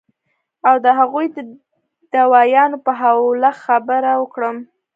او د هغې د دوايانو پۀ حواله خبره اوکړم